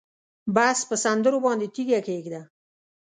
بس په سندرو باندې تیږه کېږده